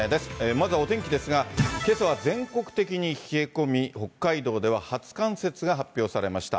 まずはお天気ですが、けさは全国的に冷え込み、北海道では初冠雪が発表されました。